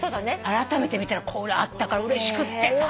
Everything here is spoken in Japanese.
あらためて見たらこれあったからうれしくってさ。